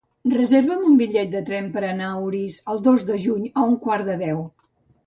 Reserva'm un bitllet de tren per anar a Orís el dos de juny a un quart de deu.